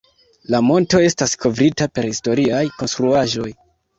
La monto estas kovrita per historiaj konstruaĵoj.